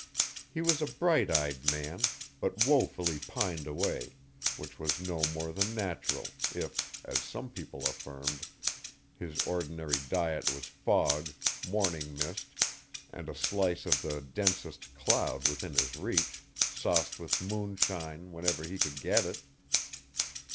He was a bright eyed man, but woefully pined away, which was no more than natural, if, as some people affirmed, his ordinary diet was fog, morning mist, and a slice of the densest cloud within his reach, sauced with moonshine, whenever he could get it.